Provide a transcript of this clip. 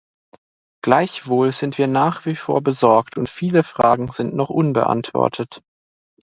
Gleichwohl sind wir nach wie vor besorgt, und viele Fragen sind noch unbeantwortet.